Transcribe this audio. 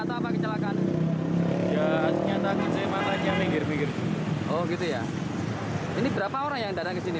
oh gitu ya ini berapa orang yang datang ke sini